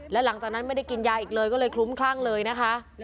แล้วหลังจากนั้นไม่ได้กินยาอีกเลยก็เลยคลุ้มคลั่งเลยนะคะ